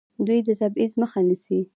دوی د تبعیض مخه نیسي.